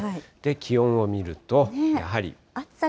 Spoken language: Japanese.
気温を見ると、やはり。